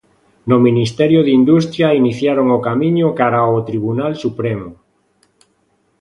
No Ministerio de Industria iniciaron o camiño cara ao Tribunal Supremo.